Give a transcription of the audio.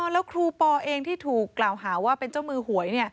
แล้วครูปอเองที่ถูกกล่าวหาว่าเป็นเจ้ามือหวย